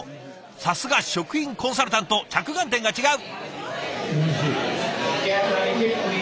さすが食品コンサルタント着眼点が違う！